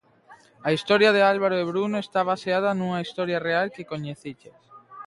A historia de Álvaro e Bruno está baseada nunha historia real que coñeciches.